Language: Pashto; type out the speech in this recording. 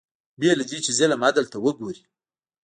بې له دې چې ظلم عدل ته وګوري